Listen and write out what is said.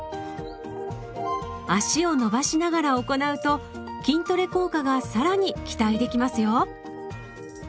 脚を伸ばしながら行うと筋トレ効果がさらに期待できますよ。